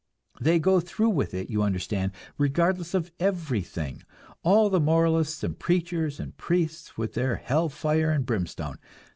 They go through with it, you understand, regardless of everything all the moralists and preachers and priests with their hell fire and brimstone.